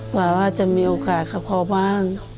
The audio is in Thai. หวังว่าจะมีโอกาสกับพ่อบ้าง